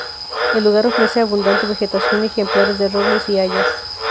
El lugar ofrece abundante vegetación y ejemplares de robles, y hayas.